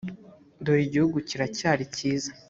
dore igihugu kiracyari cyiza